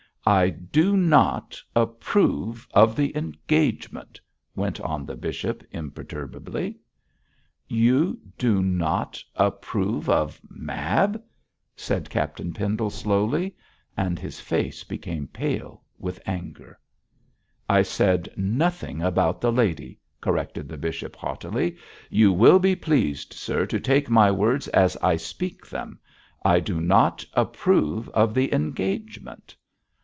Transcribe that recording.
'I do not approve of the engagement,' went on the bishop, imperturbably. 'You do not approve of Mab!' said Captain Pendle, slowly, and his face became pale with anger. 'I said nothing about the lady,' corrected the bishop, haughtily; 'you will be pleased, sir, to take my words as I speak them. I do not approve of the engagement.'